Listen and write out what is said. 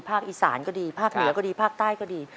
อีสานก็ดีภาคเหนือก็ดีภาคใต้ก็ดี